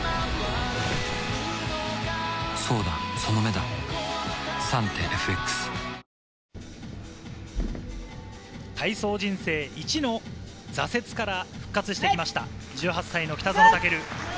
どういった形で体操人生一の挫折から復活してきました、１８歳の北園丈琉。